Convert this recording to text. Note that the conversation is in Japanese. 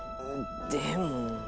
でも。